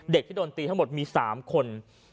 เด็กที่โดนตีทั้งหมดมี๓คน